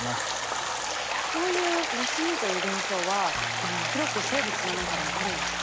こういう盗みという現象は広く生物の中でもあるんですか？